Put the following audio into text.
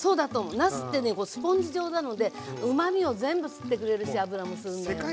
なすってねスポンジ状なのでうまみを全部吸ってくれるし油も吸うんだよね。